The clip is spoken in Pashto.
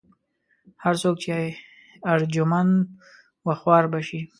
هر څوک چې ارجمند و خوار به شي.